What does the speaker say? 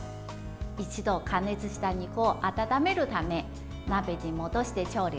一度、加熱した肉を温めるため鍋に戻して調理をします。